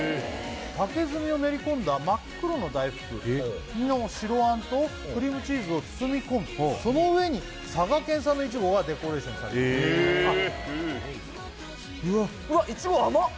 竹炭を練り込んだ真っ黒の大福白あんとクリームチーズを包み込むその上に佐賀県産の苺がデコレーションされているうわっ！